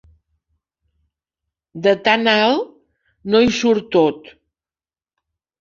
De tan alt no hi surt tot.